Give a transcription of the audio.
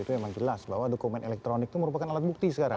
itu memang jelas bahwa dokumen elektronik itu merupakan alat bukti sekarang